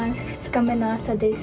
２日目の朝です